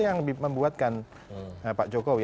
yang membuatkan pak jokowi